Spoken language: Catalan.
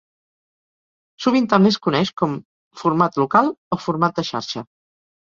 Sovint també es coneix com "format local" o "format de xarxa".